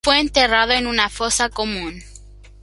Fue enterrado en una fosa común.